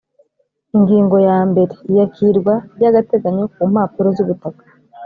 ingingo ya mbere iyakirwa ry agateganyo kumpapuro zubutaka